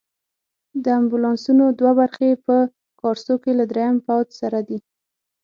د امبولانسونو دوه برخې په کارسو کې له دریم پوځ سره دي.